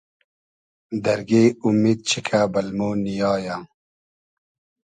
دئرگݷ اومید چیکۂ بئل مۉ نییایۂ